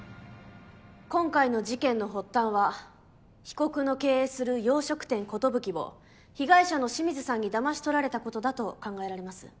今回の事件の発端は被告の経営する洋食店コトブキを被害者の清水さんに騙し取られたことだと考えられます。